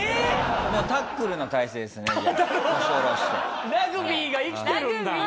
タックルの体勢ですねじゃあ。